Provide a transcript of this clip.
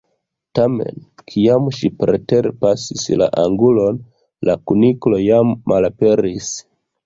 Tamen, kiam ŝi preterpasis la angulon, la kuniklo jam malaperis.